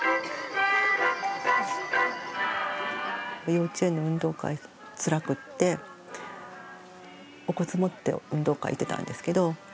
幼稚園の運動会つらくってお骨持って運動会行ってたんですけどなんかつらかっ。